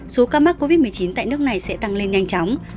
số ca mắc covid một mươi chín tại nước này sẽ tăng lên nhanh chóng